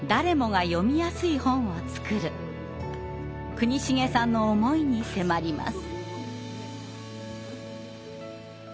国重さんの思いに迫ります。